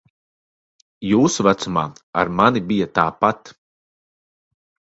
Jūsu vecumā ar mani bija tāpat.